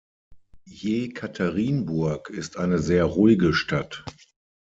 Jekaterinburg ist eine sehr ruhige Stadt.